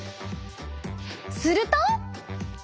すると！